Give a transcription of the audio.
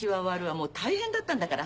もう大変だったんだから。